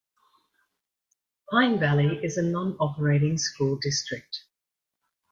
Pine Valley is a non-operating school district.